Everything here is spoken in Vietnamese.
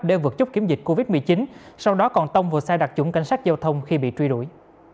để vượt chốc kiểm dịch covid một mươi chín sau đó còn tông vô sai đặc trụng cảnh sát giao thông khi bị truy đuổi